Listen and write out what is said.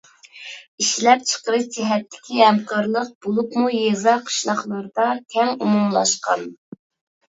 ئىشلەپچىقىرىش جەھەتتىكى ھەمكارلىق، بولۇپمۇ يېزا-قىشلاقلاردا كەڭ ئومۇملاشقان.